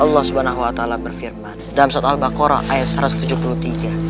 allah subhanahu wa ta'ala berfirman dalam surat al baqarah ayat satu ratus tujuh puluh tiga